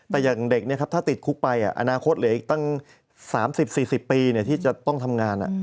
แต่อย่างเด็กถ้าติดคุกไปอนาคตเหลืออีกตั้ง๓๐๔๐ปีที่จะต้องทำงาน